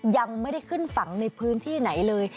ยังไม่ได้ขึ้นฝั่งในพื้นที่ไหนเลย